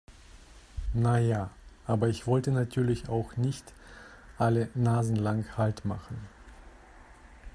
Na ja, aber ich wollte natürlich auch nicht alle naselang Halt machen.